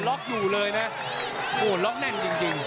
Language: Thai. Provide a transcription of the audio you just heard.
ล็อกอยู่เลยนะโหล็อกแน่นจริง